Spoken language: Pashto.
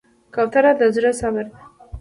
کوتره د زړه صبر ده.